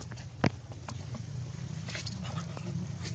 umutaga akomereza inka se intsike, mbaraga ya kamharage